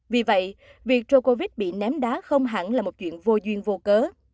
vì vậy việc rocovite bị ném đá không hẳn là một chuyện vô duyên vô cớ